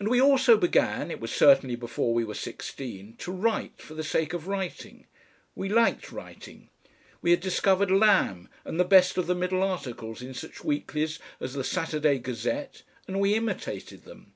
And we also began, it was certainly before we were sixteen, to write, for the sake of writing. We liked writing. We had discovered Lamb and the best of the middle articles in such weeklies as the SATURDAY GAZETTE, and we imitated them.